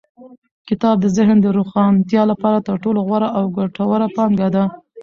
کتاب د ذهن د روښانتیا لپاره تر ټولو غوره او ګټوره پانګه ده.